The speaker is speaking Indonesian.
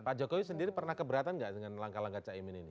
pak jokowi sendiri pernah keberatan nggak dengan langkah langkah caimin ini